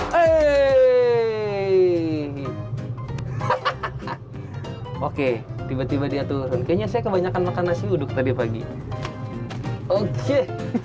hai hai hai hai oke tiba tiba dia turun kayaknya saya kebanyakan makan nasi uduk tadi pagi oke